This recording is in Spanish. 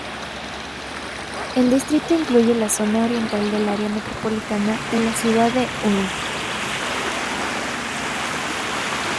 El distrito incluye la zona oriental del área metropolitana de la ciudad de Ulm.